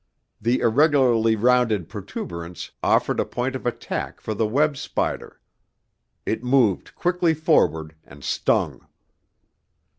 The irregularly rounded protuberance offered a point of attack for the web spider. It moved quickly forward, and stung.